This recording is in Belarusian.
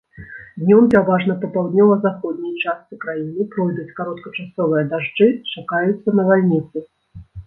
Днём пераважна па паўднёва-заходняй частцы краіны пройдуць кароткачасовыя дажджы, чакаюцца навальніцы.